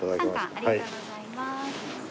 ありがとうございます。